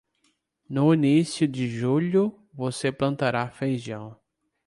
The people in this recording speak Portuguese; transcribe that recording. No início de julho, você plantará feijão.